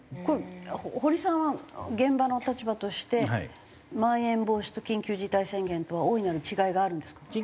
これ堀さんは現場の立場としてまん延防止と緊急事態宣言とは大いなる違いがあるんですか？